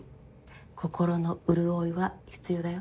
心の潤いは必要だよ。